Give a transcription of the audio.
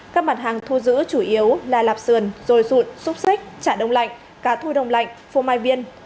các mặt hàng thu giữ chủ yếu là lạp sườn dồi sụn xúc xích chả đông lạnh cá thui đông lạnh phô mai viên